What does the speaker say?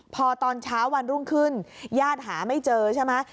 พอตอนเช้าวันรุ่งขึ้นญาติหาไม่เจอใช่ไหม